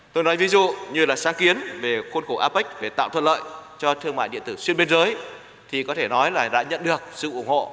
tôi nói ví dụ như là sáng kiến về khuôn khổ apec về tạo thuận lợi cho thương mại điện tử xuyên biên giới thì có thể nói là đã nhận được sự ủng hộ